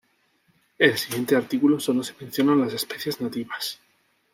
En el siguiente artículo, solo se mencionan las especies nativas.